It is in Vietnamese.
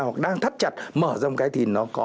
hoặc đang thắt chặt mở ra một cái thì nó có